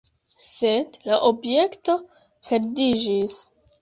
Sed la objekto perdiĝis.